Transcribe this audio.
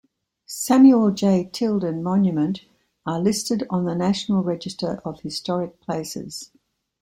Samuel J. Tilden Monument are listed on the National Register of Historic Places.